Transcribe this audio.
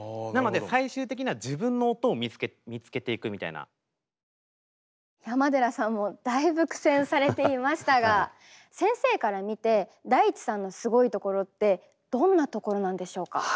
なので山寺さんもだいぶ苦戦されていましたが先生から見てＤａｉｃｈｉさんのすごいところってどんなところなんでしょうか？